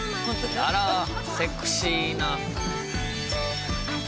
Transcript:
あら、セクシーな。